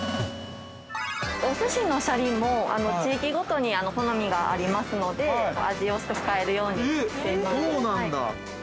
◆おすしのシャリも地域ごとに好みがありますので、味を少し変えるようにしています。